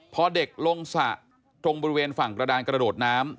พอเด็กลงสระตรงบริเวณฝั่งกระดานกระโดดน้ำ